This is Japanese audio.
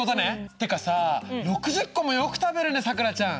ってかさ６０個もよく食べるねさくらちゃん。